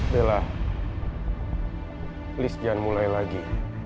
bella please jangan mulai lagi